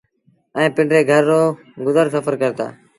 ائيٚݩ پنڊري گھر رو گزر سڦر ڪرتآ